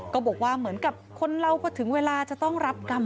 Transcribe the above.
ก็บอกว่าเหมือนกับคนเราก็ถึงเวลาจะต้องรับกรรม